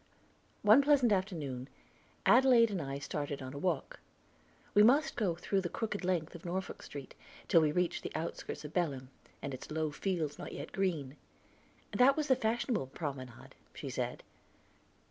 One pleasant afternoon Adelaide and I started on a walk. We must go through the crooked length of Norfolk Street, till we reached the outskirts of Belem, and its low fields not yet green; that was the fashionable promenade, she said.